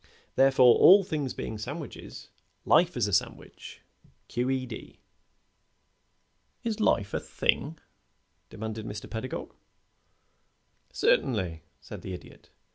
Therefore, all things being sandwiches, life is a sandwich, Q. E. D." "Is life a thing?" demanded Mr. Pedagog. "Certainly," said the Idiot.